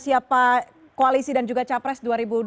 siapa koalisi dan juga capres